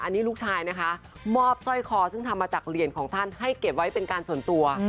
อันนี้ลูกชายนะคะมอบสร้อยคอซึ่งทำมาจากเหรียญของท่านให้เก็บไว้เป็นการส่วนตัว